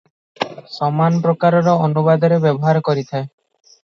ସମାନ ପ୍ରକାରର ଅନୁବାଦରେ ବ୍ୟବହାର କରିଥାଏ ।